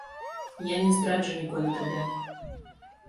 Я не здраджу ніколі табе.